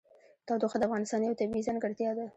تودوخه د افغانستان یوه طبیعي ځانګړتیا ده.